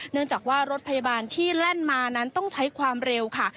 เนื่องจากว่ารถพยาบาลที่แล่นมานั้นต้องใช้ความเร็วค่ะ